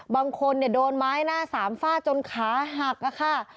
บางคนโดนไม้หน้าสามฟาดจนขาหักค่ะ